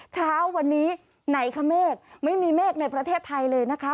เช้าวันนี้ไหนคะเมฆไม่มีเมฆในประเทศไทยเลยนะคะ